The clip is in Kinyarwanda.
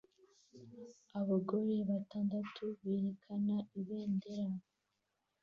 Abagore batandatu berekana ibendera